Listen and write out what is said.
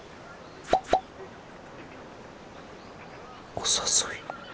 お誘い。